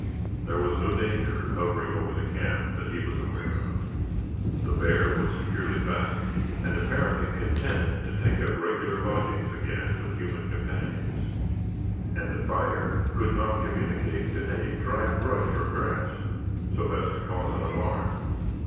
There was no danger hovering over the camp that he was aware of; the bear was securely fastened, and apparently content to take up regular lodgings again with human companions; and the fire could not communicate to any dry brush or grass, so as to cause an alarm.